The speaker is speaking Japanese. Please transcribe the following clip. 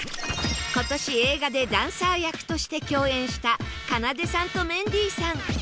今年映画でダンサー役として共演したかなでさんとメンディーさん